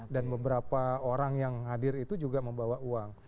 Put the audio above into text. dan beberapa orang yang hadir itu juga membawa uang